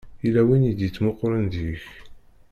Yella win i d-ittmuqqulen deg-k.